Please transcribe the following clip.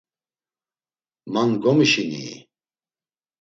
Man gomişinii?